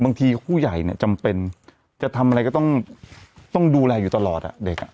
ผู้ใหญ่เนี่ยจำเป็นจะทำอะไรก็ต้องดูแลอยู่ตลอดอ่ะเด็กอ่ะ